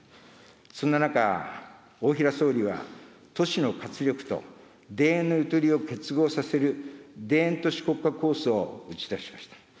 そんな中、大平総理は都市の活力と田園のゆとりを結合させる田園都市国家構想を打ち出しました。